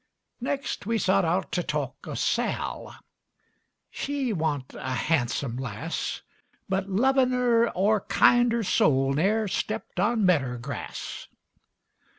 Next we sot out to talk of Sal; She wa'n't a hansum lass, But luvin'er or kinder soul Ne'er stepped on medder grass.